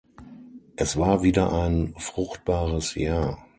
Es war wieder ein fruchtbares Jahr.